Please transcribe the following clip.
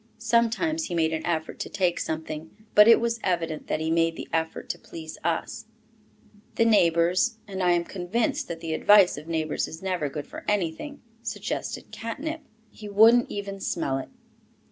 Sometimes he made an effort to take something, but it was evident that he made the effort to please us. The neighbours and I am convinced that the advice of neighbours is never good for anything suggested catnip. He wouldn't even smell it.